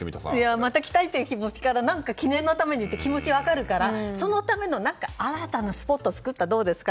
また来たいという気持ちから何か記念のためにっていう気持ちは分かるからそのための新たなスポットを作ったらどうですか？